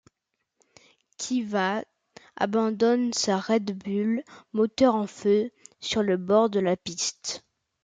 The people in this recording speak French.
Kvyat abandonne sa Red Bull, moteur en feu, sur le bord de la piste.